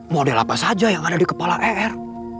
model apa saja yang ada di kepala er